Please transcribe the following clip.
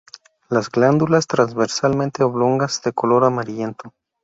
Las glándulas transversalmente oblongas, de color amarillento.